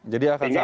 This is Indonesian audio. jadi akan sangat